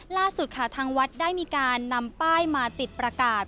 ล่าสุดค่ะทางวัดได้มีการนำป้ายมาติดประกาศ